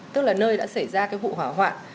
tức là nơi đã xảy ra vụ hỏa hoạn